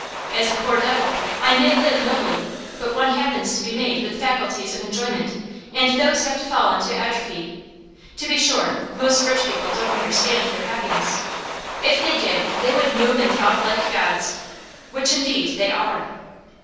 As a poor devil I may live nobly; but one happens to be made with faculties of enjoyment, and those have to fall into atrophy. To be sure, most rich people don't understand their happiness; if they did, they would move and talk like gods which indeed they are.